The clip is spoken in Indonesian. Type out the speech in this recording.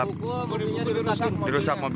dipukul mobilnya dirusak